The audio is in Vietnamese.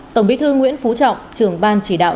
tổng bí thư nguyễn phú trọng trưởng ban chỉ đạo